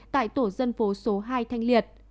tại tổ dân phố số hai thanh liệt